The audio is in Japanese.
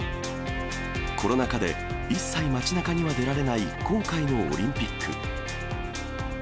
コロナ禍で、一切街なかには出られない、今回のオリンピック。